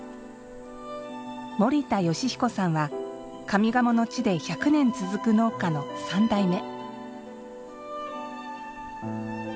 森田良彦さんは、上賀茂の地で１００年続く農家の３代目。